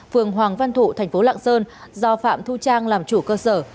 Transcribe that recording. phường hoàng văn thụ thành phố lạng sơn do phạm thu trang làm chủ cơ sở